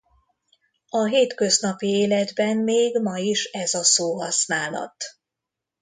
A hétköznapi életben még ma is ez a szóhasználat.